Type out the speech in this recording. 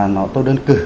nó tâu đơn cử